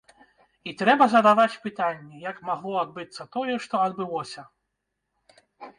І трэба задаваць пытанні, як магло адбыцца тое, што адбылося.